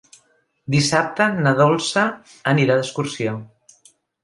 Dissabte na Dolça anirà d'excursió.